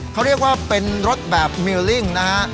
เขาเรียกว่าเป็นรถแบบมิวลิ่งนะฮะ